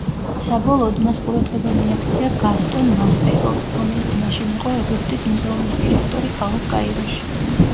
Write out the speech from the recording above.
საბოლოოდ მას ყურადღება მიაქცია გასტონ მასპერომ, რომელიც მაშინ იყო ეგვიპტის მუზეუმის დირექტორი ქალაქ კაიროში.